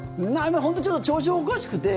本当にちょっと調子おかしくて。